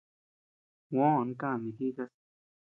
Juó kanii jikás.